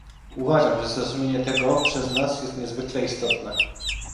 Uważam, że zrozumienie tego przez nas jest niezwykle istotne